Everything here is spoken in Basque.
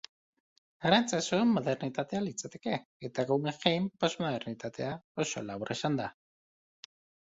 Arantzazu modernitatea litzateke, eta Guggenheim, posmodernitatea, oso labur esanda.